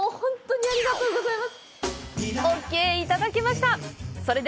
ありがとうございます。